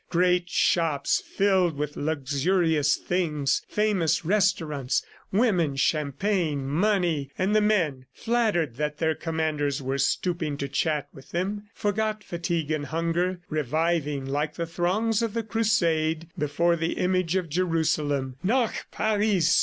Great shops filled with luxurious things, famous restaurants, women, champagne, money. ... And the men, flattered that their commanders were stooping to chat with them, forgot fatigue and hunger, reviving like the throngs of the Crusade before the image of Jerusalem. "Nach Paris!"